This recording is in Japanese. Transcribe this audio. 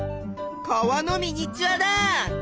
川のミニチュアだ！